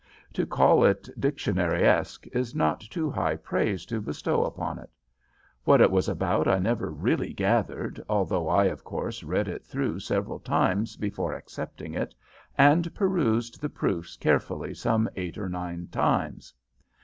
To call it dictionaryesque is not too high praise to bestow upon it. What it was about I never really gathered, although I of course read it through several times before accepting it, and perused the proofs carefully some eight or nine times.